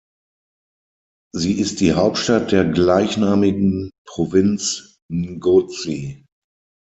Sie ist Hauptstadt der gleichnamigen Provinz Ngozi.